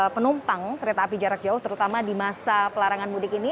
penumpang kereta api jarak jauh terutama di masa pelarangan mudik ini